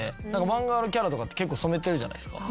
漫画のキャラとかって結構染めてるじゃないですか。